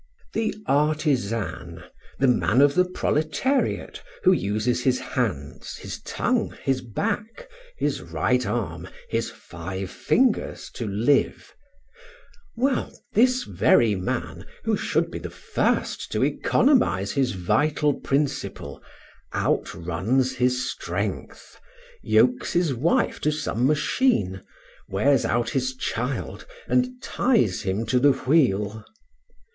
The artisan, the man of the proletariat, who uses his hands, his tongue, his back, his right arm, his five fingers, to live well, this very man, who should be the first to economize his vital principle, outruns his strength, yokes his wife to some machine, wears out his child, and ties him to the wheel.